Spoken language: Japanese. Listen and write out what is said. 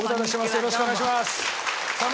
よろしくお願いします。